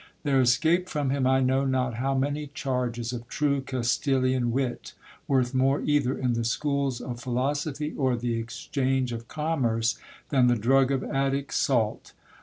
There escaped from him I know not how many charges of true Castilian wit, worth more either in the schools of philosophy or the exchange of com merce than the drug of Attic salt.